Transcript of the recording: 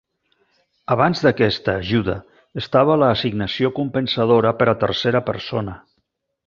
Abans d'aquesta ajuda, estava l'assignació compensadora per a tercera persona.